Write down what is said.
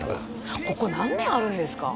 ここ何年あるんですか？